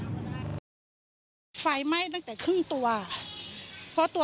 ไฟไหม้ตั้งแต่ครึ่งตัว